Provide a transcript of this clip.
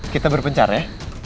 kita berpencar ya